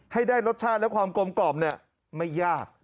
ให้ได้รสชาติและความกลมกล่อมเนี่ยไม่ยาก